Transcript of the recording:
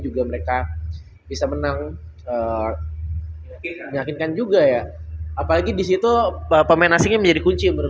juga mereka bisa menang mengakinkan juga ya apalagi disitu pemenangnya menjadi kunci menurut